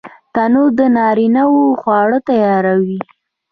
تنور د نارینه وو خواړه تیاروي